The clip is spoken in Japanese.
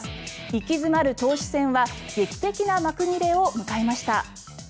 息詰まる投手戦は劇的な幕切れを迎えました。